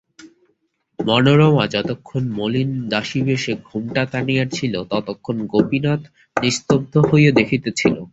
মনোরমা যতক্ষণ মলিন দাসীবেশে ঘোমটা টানিয়া ছিল ততক্ষণ গোপীনাথ নিস্তব্ধ হইয়া দেখিতেছিল।